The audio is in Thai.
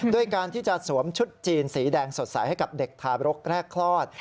ด้วยการที่จะสวมชุดจีนสีแดงสดใสให้กับเด็กทารกแรกคลอด